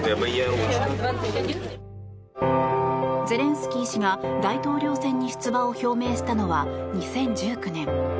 ゼレンスキー氏が大統領選に出馬を表明したのは２０１９年。